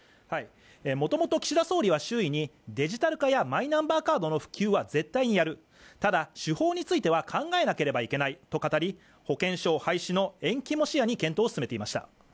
もともと岸田総理は周囲にデジタル化やマイナンバーカードの普及は絶対にやるただ手法については考えなければいけないと語り保険証廃止の延期も視野に検討を進めていました